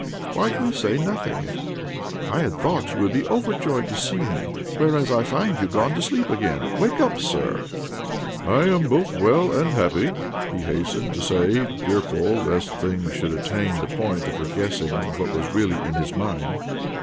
' Why do you say nothing ? I had thought you would be over joyed to see me, whereas I find you gone to sleep again ! Wake up, sir !"" I am both well and happy," he hastened to say — fearful lest things should attain the point of her guessing what was really in his mind.